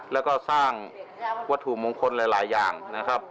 แล้วก็สร้างวัตถุมงคลหลายอย่างนะครับ